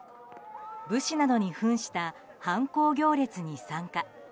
武士などに扮した藩公行列に参加。